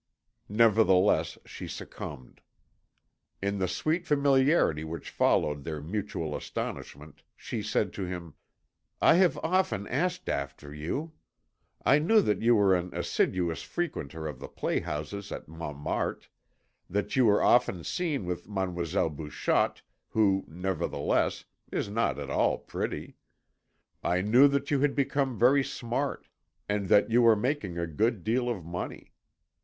Nevertheless she succumbed. In the sweet familiarity which followed their mutual astonishment she said to him: "I have often asked after you. I knew that you were an assiduous frequenter of the playhouses at Montmartre, that you were often seen with Mademoiselle Bouchotte, who, nevertheless, is not at all pretty. I knew that you had become very smart, and that you were making a good deal of money.